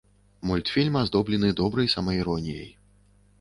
Мультфільм аздоблены добрай самаіроніяй.